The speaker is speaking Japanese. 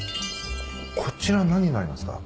こちら何になりますか？